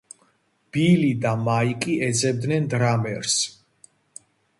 ბილი და მაიკი ეძებდნენ დრამერს.